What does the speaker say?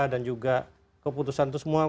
dan juga keputusan itu semua